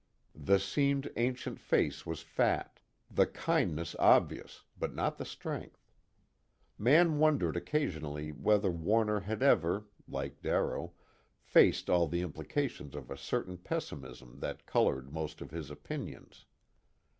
The seamed ancient face was fat, the kindness obvious but not the strength. Mann wondered occasionally whether Warner had ever, like Darrow, faced all the implications of a certain pessimism that colored most of his opinions.